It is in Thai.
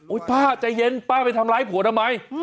ป้าใจเย็นป้าไปทำร้ายผัวทำไม